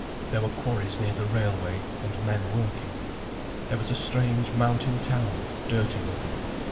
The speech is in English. There were quarries near the railway, and men working. There was a strange mountain town, dirty looking.